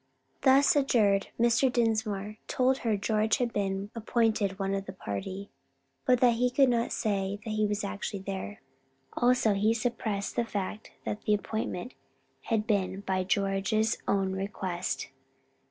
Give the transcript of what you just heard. Thus adjured Mr. Dinsmore told her George had been appointed one of the party, but that he could not say that he was actually there. Also he suppressed the fact that the appointment had been by George's own request.